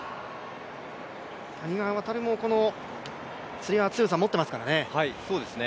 谷川航も、このつり輪には強さを持っていますからね。